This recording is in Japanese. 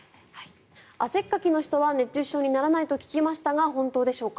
汗っかきの人は熱中症にならないと聞きましたが本当でしょうか？